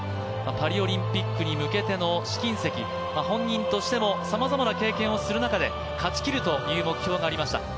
パリオリンピックに向けての試金石、本人としてもさまざまな経験をする中で勝ちきるという目標がありました。